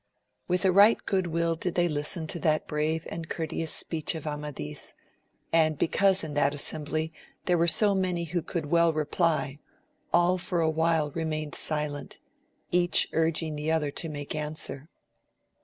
With a right good will did they listen to that brave and courteous speech of Amadis, and because in that assembly there were so many who could well reply, all for awhile remained silent, each urging the other to make answer.